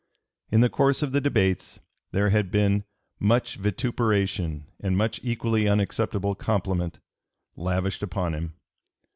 In the course of the debates there had been "much vituperation and much equally unacceptable compliment" lavished upon him.